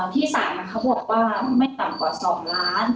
ที่๓เขาบอกว่าไม่ต่ำกว่า๒ล้าน